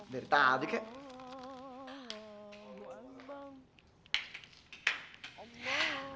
berita aja kek